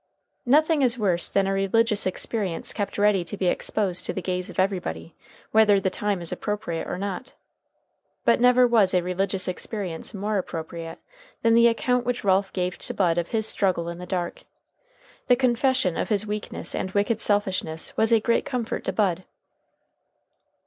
Nothing is worse than a religious experience kept ready to be exposed to the gaze of everybody, whether the time is appropriate or not. But never was a religious experience more appropriate than the account which Ralph gave to Bud of his Struggle in the Dark. The confession of his weakness and wicked selfishness was a great comfort to Bud.